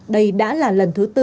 đây đã là lần thứ bốn